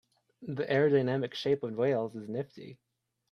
The aerodynamic shape of whales is nifty.